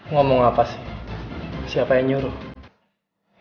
ngomong apa sih siapa yang nyuruh